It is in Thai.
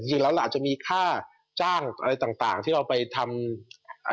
จริงแล้วอาจจะมีค่าจ้างอะไรต่างที่เราไปทำ